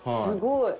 すごい。